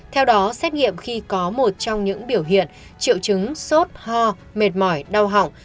theo đó xét nghiệm khi có một trong những biểu hiện triệu chứng sốt ho mệt mỏi đau họng